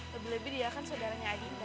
lebih lebih dia kan saudaranya adinda